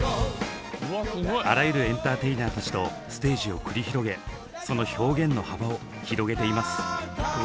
あらゆるエンターテイナーたちとステージを繰り広げその表現の幅を広げています。